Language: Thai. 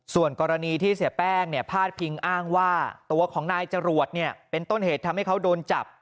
ส่วนกรณีที่เสียแป้งพาดพิงอ้างว่าตัวของนายจรวดเนี่ยเป็นต้นเหตุทำให้เขาโดนจับ